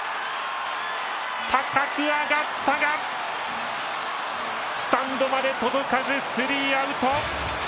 高く上がったがスタンドまで届かず３アウト。